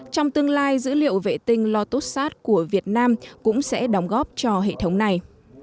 trong tương lai dữ liệu vệ tinh lotussat của việt nam cũng sẽ đóng góp cho hệ thống này